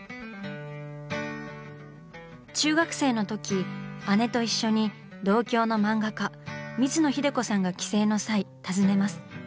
中学生のとき姉と一緒に同郷の漫画家水野英子さんが帰省の際訪ねます。